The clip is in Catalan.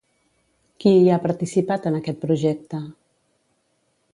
Qui hi ha participat en aquest projecte?